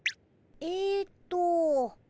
えっと。